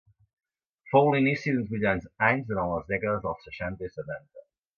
Fou l'inici d'uns brillants anys durant les dècades dels seixanta i setanta.